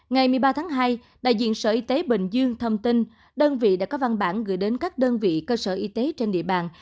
ngày một mươi ba tháng hai đại diện sở y tế bình dương thông tin đơn vị đã có văn bản gửi đến các đơn vị cơ sở y tế trên địa bàn